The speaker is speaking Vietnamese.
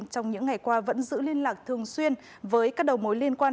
trong những ngày qua vẫn giữ liên lạc thường xuyên với các đầu mối liên quan